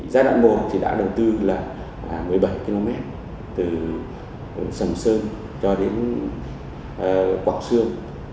giai đoạn một thì đã đầu tư là một mươi bảy km từ sầm sơn cho đến quảng sương